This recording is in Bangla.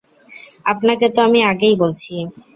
আপনাকে তো আমি আগেই বলছি।